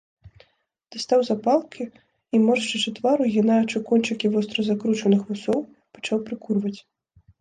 Дастаў запалкі і, моршчачы твар, угінаючы кончыкі востра закручаных вусоў, пачаў прыкурваць.